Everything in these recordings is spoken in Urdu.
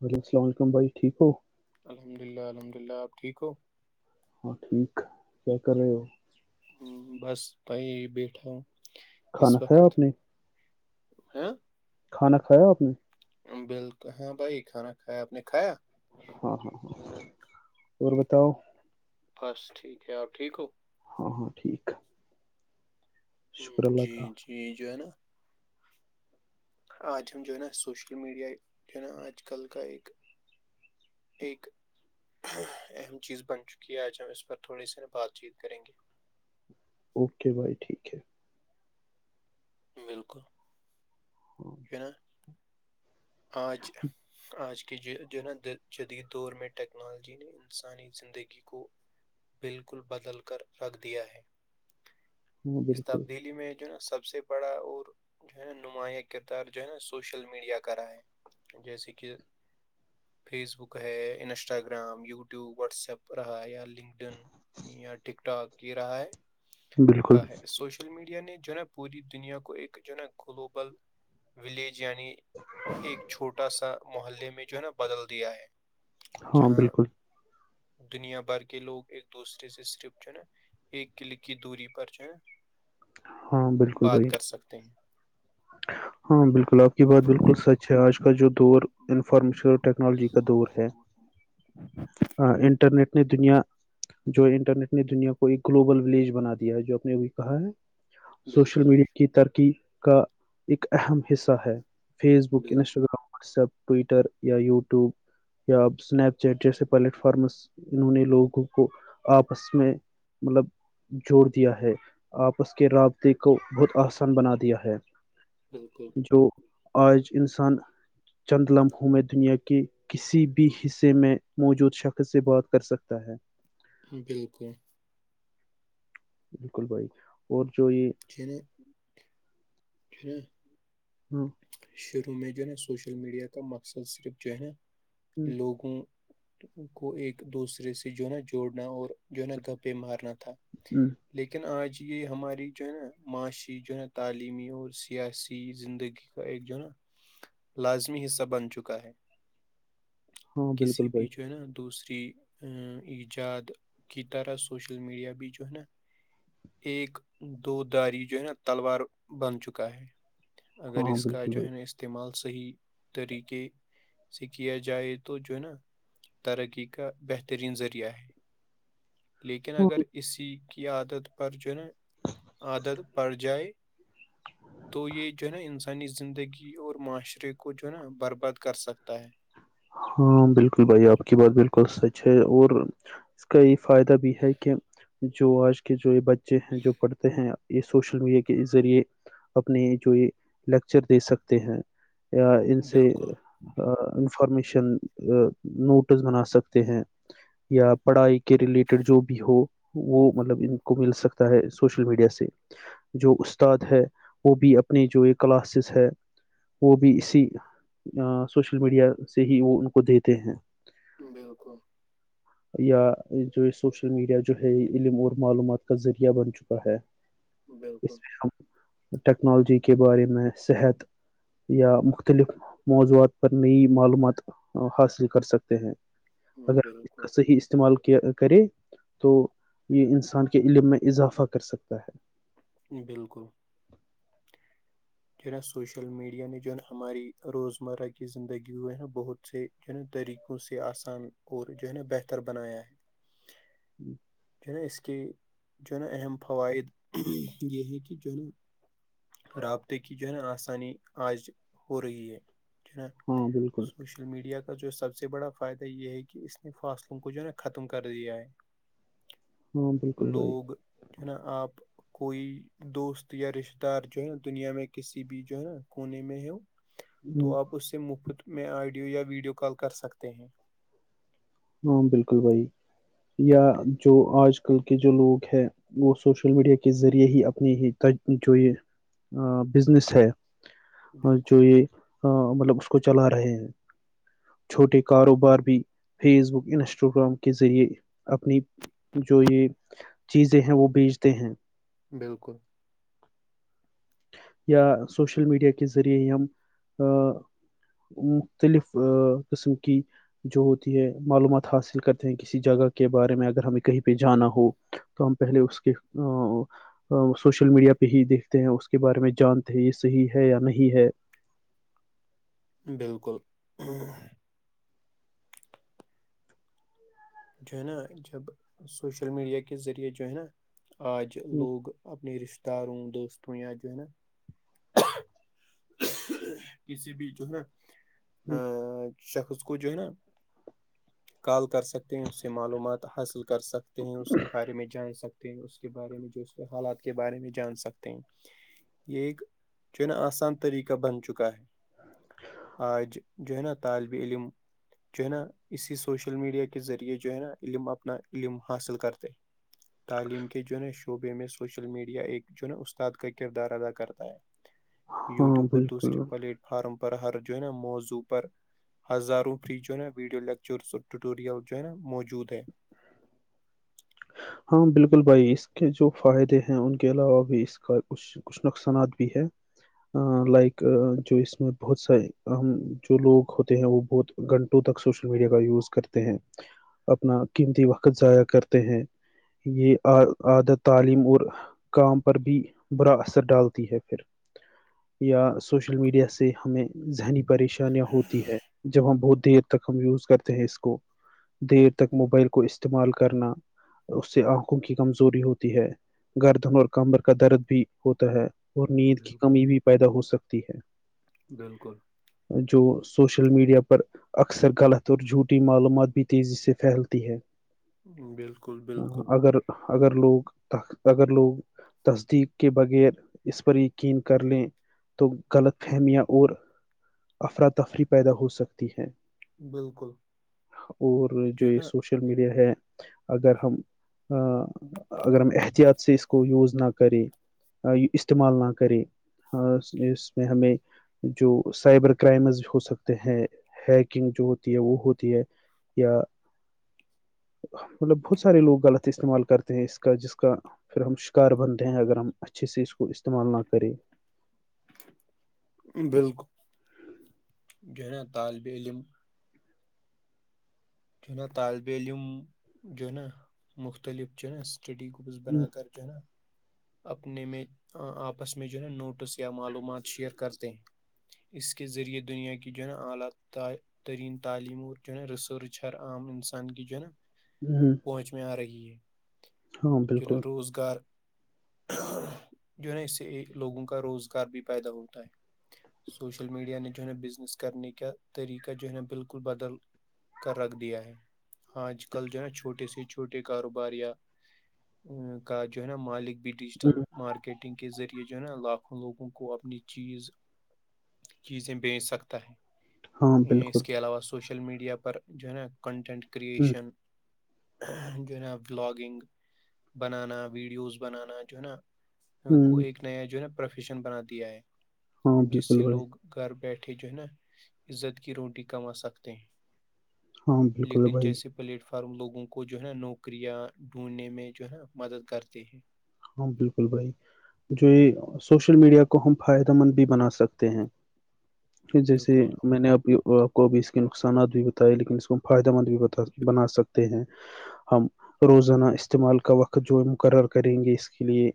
وعلم السلاملیکم بھائی ٹھیک ہو الحمد للہ الحمد للہ آپ ٹھیک ہو ہاں ٹھیک کیا کر رہے ہو ہ بس بائی بیٹھا ہوں کھانا اس کھایا وقت آپ نے ہاں کھانا کھایا آپ نے بالکل ہاں بھائی کھانا کھایا آپ نے کھایا ہاں ہاں ہاں اور بتاؤ بس ٹھیک ہے آپ ٹھیک ہو ہاں ہاں ٹھیک ہے جی کا جی جو ہے نا آج ہم جو ہے نا سوشل میڈیا جو ہے نا آج کل کا ایک ایک اہم چیز بن چکی ہے آج ہم اس پر تھوڑی سی نا بات چیت کریں گے اوکے بھائی ٹھیک ہے بالکل ہوں ہا آج آج کے جو جو ہے نا د جدید دور میں ٹیکنالوجی نے انسانی زندگی کو بالکل بدل کر رکھ دیا ہے ہاں اس بالکل تبدیلی میں جو نا سب سے بڑا اور جو ہے نا نمایاں کردار جو ہے نا سوشل میڈیا کر رہا ہے جیسے کہ فیس بک ہے Instagram YouTube WhatsApp رہا یا لنکڈ ان اں ٹھیک ٹھاک یہ رہا ہے کہ بالکل ہے سوشل میڈیا نے جو ہے نا پوری دنیا کو ایک جو ہے نا گلوبل ولیج یعنی ایک چھوٹا سا محلے میں جو ہے نا بدل دیا ہے ہاں جہاں بالکل دنیا بھر کے لوگ ایک دوسرے سے صرف چنا ایک کل کی دوری پر جو ہاں ہے بالکل بات بھائی کر سکتے ہیں ہاں بالکل آپ کی بات بالکل سچ ہے آج کا جو دور بالکل انفارمیشن ٹیکنالوجی کا دور ہے انٹرنیٹ نے دنیا جو انٹرنیٹ نے دنیا کو ایک گلوبل ولیج بنا دیا ہے جو اپ نے بھی کہا ہے سوشل بالکل میڈیا کی ترقی کا ایک اہم حصہ ہے Facebook Instagram WhatsApp Twitter یا یوٹیوب یا اسنیپ چیٹ جیسے پلیٹ فارمس انہوں نے لوگوں کو آپس میں مطلب جوڑ دیا ہے آپس کے رابطے کو بہت آسان بنا دیا ہے بالکل جو آج انسان چند لموں میں دنیا کی کسی بھی حصے میں موجود شخص سے بات کر سکتا ہے بالکل بالکل بھائی اور جو یہ چے ہ ہوں شروع میں جو نا سوشل میڈیا کا مقصد صرف جو ہے نا لوگوں تو ان کو ایک دوسرے سے جو ہے نا جوڑنا اور جو ہے نا گپے مارنا تھا ہ لیکن آج یہ ہماری جو ہے نا معاشی جو ہے تعلیم تعلیمی اور سیاسی زندگی کا ایک جونا لازمی حصہ بن چکا ہے ہاں، بالکل کسی بھی بھائی جو ہے نا دوسری ایجاد کی طرح سوشل میڈیا بھی جو ہے نا ایک دو داری جو ہے نا تلوار بن چکا ہے اگر ہاں ہاں، اس کا بالکل جو بھائی ہے نا اس استعمال صحیح طریقے سے کیا جائے تو جو نا ترقی کا بہترین ذریعہ ہے لیکن ہاں اگر اسی کی عادت پر جو ہے نا عادت پڑ جائے تو یہ جو ہے نا انسانی زندگی اور معاشرے کو جو ہے نا برباد کر سکتا ہے ہاں بالکل بھائی آپ کی بات بالکل سچ ہے اور اس کا یہ فائدہ بھی ہے کہ جو آج کے جو یہ بچے ہیں جو پڑھتے ہیں یہ سوشل میڈیا کے ذریعے اپنے جو یہ لیکچر دے سکتے ہیں یا ان سے بالکل انفارمیشن نوٹس بنا سکتے ہیں یا پڑھائی کے ریلیٹڈ جو بھی ہو وہ مطلب ان کو مل سکتا ہے سوشل میڈیا سے جو استاد ہے وہ بھی اپنے جو یہ کلاسز ہے وہ بھی اسی سوشل میڈیا سے ہی وہ ان کو دیتے ہیں بالکل [unintelligible] یا جو سوشل میڈیا جو ہے علم اور معلومات کا ذریعہ بن چکا ہے بالکل اس میں ہم ٹیکنالوجی کے بارے میں صحت یا مختلف موضوعات پر نئی معلومات حاصل کر سکتے ہیں اگر آپ اس بالکل کا صحیح استعمال کیا کرے تو یہ انسان کے علم میں اضافہ کر سکتا ہے بالکل جو نا سوشل میڈیا نے جو ہے ن ہماری روزمرہ کی زندگی ہوئے ہیں بہت سے جو ہے طریقوں سے آسان اور جو ہے نا بہتر بنایا ہے ہی جو ہے نا اس کے جو ہے نا اہم فوائد یہ ہے کہ جو ہے نا رابطے کی جو ہے نا آسانی آج ہو رہی ہے ن ہاں بالکل سو سوشل میڈیا کا جو سب سے بڑا فائدہ یہ ہے کہ اس نے فاصلوں کو جو ہے نا ختم کر دیا ہے ہ لوگ جو ہے نا آپ کوئی دوست یا رشتے دار جو ہے نا دنیا میں کسی بھی جو ہے نا کونے میں ہے ہوں، تو آپ اس سے مفت میں آڈیو یا ویڈیو کال کر سکتے ہیں ہاں بالکل بھائی یا جو آج کل کے جو لوگ ہے وہ سوشل میڈیا کے ذریعے ہی اپنی ہی جو یہ بزنس ہے اور بالکل جو یہ ہ مطلب اس کو چلا رہے ہیں چھوٹے کاروبار بھی فیس بک انسٹاگرام کے ذریعے اپنی جو یہ چیزیں ہیں وہ بیچتے ہیں بالکل [inaudible] یا سوشل میڈیا کے ذریعے ہم مختلف قسم کی جو معلومات حاصل کرتے ہیں کسی جگہ کے بارے میں اگر ہمیں کہیں پہ جانا ہو تو ہم پہلے اس کے سوشل میڈیا پہ ہی دیکھتے ہیں اس کے بارے میں جانتے ہیں یہ صحیح ہے یا نہیں ہے بالکل جو ہے نا جب سوشل میڈیا کے ذریعے جو ہے نا آج لوگ اپنے رشتتے داروں دوستوں یا جو ہے نا کسی بھی جو ہے نا ہوں شخص کوچ جو ہے نا کال کر سکتے ہیں اس سے معلومات حاصل کر سکتے ہیں اس کے بارے میں جان سکتے اس کے بارے میں جو اس کے حالات کے بارے میں جان سکتے ہیں یہ ایک چن آسان طریقہ بن چکا ہے آج جو ہے نا طالب علم جو ہے نا اسی سوشل میڈیا کے ذریعے جو ہے نا علم اپنا علم حاصل کرتے تعلیم کے جن شعبے میں سوشل میڈیا ایک جن استاد کا کردار ادا کرتا ہے ہاں یوٹیوب اور دوسرے بالکل پلیٹ فارم پر ہر جو ہے نا موضوع پر ہزاروں فری جو نا ویڈیو لیکچر ٹیوٹوریل جو ہے نا موجود ہے ہاں بالکل بھائی اس کے جو فائدے ہیں ان کے علاوہ بھی اس کا کچھ کچھ نقصانات بھی ہے لائک جو اس میں بہت سار ا جو لوگ ہوتے ہیں وہ بہت گھنٹوں تک سوشل میڈیا کا یوز کرتے ہیں اپنا قیمتی وقت ضائع کرتے ہیں یہ عادت تعلیم اور کام پر بھی برا اثر ڈالتی ہے پھر یا سوشل میڈیا سے ہمیں ذہنی پریشانیاں ہوتی ہے جب ہم بہت دیر تک ہم یوز کرتے ہیں اس کو دیر تک موبائل کو استعمال کرنا اس سے آنکھوں کی کمزوری ہوتی ہے گردن اور کمبر کا درد بھی ہوتا ہے اور نیند کی بالکل کمی بھی پیدا ہوسکتی ہے بالکل جو سوشل میڈیا پر اکثر غلط اور جھوٹی معلومات بھی تیزی سے پھیلتی ہے بالکل بالکل اگر اگر لوگ اگر لوگ تصدیق کے بغیر اس پر یقین کر لیں تو غلط فہمیاں اور افراتفری پیدا ہو سکتی ہیں بالکل اور جو ہے یہ نا سوشل میڈیا ہے اگر ہم اگر ہم احتیاط سے اس کو یوز نہ کریں استعمال نہ کرے اس میں ہمیں جو سائبر کرائمز ہو سکتے ہیں ہیکنگ جو ہوتی ہے وہ ہوتی ہے یا مطلب بہت سارے لوگ غلط استعمال کرتے ہیں اس کا جس کا پھر ہم شکار بنتے ہیں اگر ہم اچھے سے اس کو استعمال نہ کریں بالکل ج نا طالب علم جو ن طالب علم جو نہ مختلف جو نہ سٹڈی گروپس بنا ہوں، کر کہ نا اپنے میں آپس میں جو ہے نوٹس یا معلومات شیئر کرتے ہیں اس کے ذریعہ دنیا کی جو ہےا اعلی ترین تعلیم اور ج ہے ریسرچ چر عام انسان کی جنت ہ ہ پہنچ میں آ رہی ہے ج بالکل نیں روزگار جو ن اس سے لوگوں کا روزگار بھی پیدا ہوتا ہے سوشل میڈیا نے جو ہے نا بزنس کرنے کا طریقہ جو ہے نا بالکل بدل کر رکھ دیا ہے آج کل جو ہے نا چھوٹے سے چھوٹے کاروبار یا کا جو ہے نا مالک بھی ڈیجیٹل ہوں، مارکیٹ ٹنگ کے ذریعے جو ہے نا لاکھوں لوگوں کو اپنی چیز چیزیں بیچ سکتا ہاں ہے بالکل اس کے علاوہ سوشل میڈیا پر جو ہے نا کنٹینٹ ہوں، کرشن جو ہے نا ولالاگنگ بنانا ویڈیوز بنانا جو ہے نا کو ہوں، ایک نیا جو ہے نا پروفیشن بنا دیا ہے ہاں جس بالکل سے بھائی لوگ گھر بیٹھے جو ہے نا عزت کی روٹی کما سکتے ہیں ہاں بالکل لکٹن بھائی جیسے پلیٹ فارم لوگوں کو جو ہے نا نوکریاں ڈھونڈنے میں جو ہے نا مدد کرتے ہیں ہاں بالکل بھائی جو یہ سوشل میڈیا کو ہم فائدہ مند بھی بنا سکتے ہیں جیسے بالکل میں نے اب کو بھی اس کے نقصانات بھی بتائے لیکن اس کو ہم فائدہ مند بھی بتا بنا سکتے ہیں ہم روزانہ استعمال کا وقت جو ہے مقرر کریں گے اس کے لیے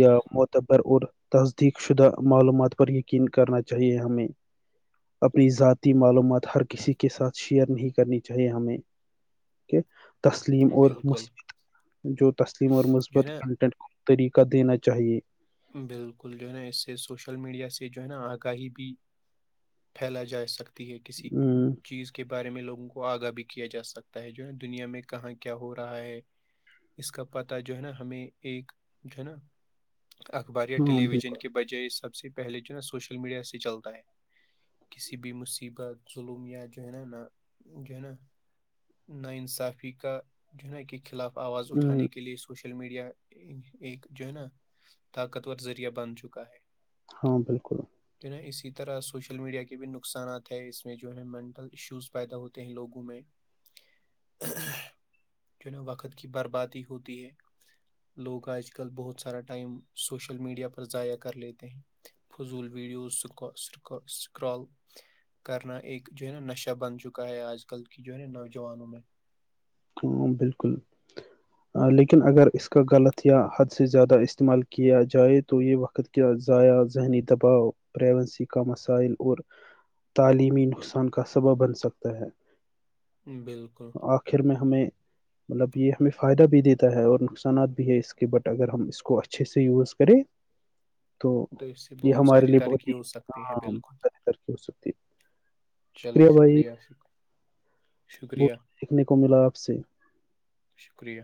یا م بر اور تصدیق شدہ معلومات پر یقین کرنا چاہیے ہمیں اپنی ذاتی معلومات ہر کسی کے ساتھ شیئر نہیں کرنی چاہیے ہمیں کہ تسلیم اور بالکل مثبت جو تسلیم اور جو ہے مثبت نا طریق دینا چاہیے بالکل جو ہے نا اس سے سوشل میڈیا سے جو ہے نا آگاہی بھی پھیلا جا سکتی ہے کسی ہ چیز کے بارے میں لگوں کو آگاہ بھی کیا جا سکتا ہے جو ہے دنیا میں کہاں کیا ہو رہا ہے اس کا پتاہ جو ہے نا ہمیں ایک جو ہے نا اخباریا ہاں ٹیلی ویژن بالکل کے بجائے سب سے پہلے جو ہے نا سوشل میڈیا سے چلتا ہے کسی بھی مصیبت ظلم یا جو ہے نا نا جو ہے نا ناانصافی کا جو ہےا کہ خلاف آواز ہ اٹھانے کے لیے سوشل میڈیا ایک جو ہے نا طاقتور ذریعہ بن چکا ہے ہاں بالکل جو نا اسی طرح سوشل میڈیا کے بھی نقصات ہے اس میں جو ہے مینٹل ایشوز پیدا ہوتے ہیں لوگوں میں جی جہیں وقت کی بربادی ہوتی ہے لوگ آج کل بہت سارا ٹائم سوشل میڈیا پر ضائع کر لیتے ہیں فضول ویڈیوزکک سکرال کرنا ایک جو ہے نا نشہ بن چکا ہے آج کل کی جو ہے نا نوجوانوں میں تو بالکل لیکن اگر اس کا غلط یا حد سے زیادہ استعمال کیا جائے تو یہ وقت کیا ضائع ذہنی دباؤ پائیونسی کا مسائل اور تعلیمی نقصان کا سبب بن سکتا ہے بالکل پھر میں ہمیں مطلب یہ ہمیں فائدہ بھی دیتا ہے اور نقصانات بھی ہے اس کے بٹ اگر ہم اس کو اچھے سے یوز کریں ج تو اس سے یہ بہت ہمارے ساری لیے بہت ترقی ہی ہو سکتی ہے بالکل ترکی ہو سکتی ہے چلو شکریہ شکریہ بہت شکریہ کچھ سیکھنے کو ملا آپ سے شکریہ